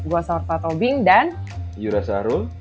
gue sorta tobing dan yura sarul